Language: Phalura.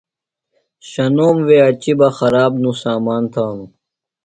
شنوم وے اچیۡ بہ ، خراب نوۡ سامان تھانوۡ